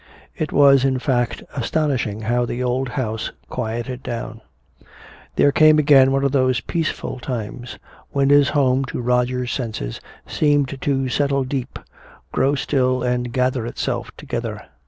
It was in fact astonishing how the old house quieted down. There came again one of those peaceful times, when his home to Roger's senses seemed to settle deep, grow still, and gather itself together.